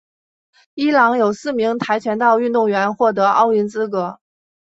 伊朗有四名跆拳道运动员获得奥运资格。